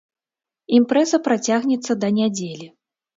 Імпрэза працягнецца да нядзелі.